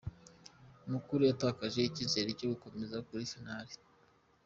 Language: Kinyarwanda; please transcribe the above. Mukura yatakaje icyizere cyo gukomeza kuri finali